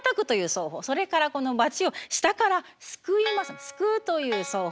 それからこのバチを下からすくいます「すくう」という奏法と。